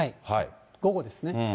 午後ですね。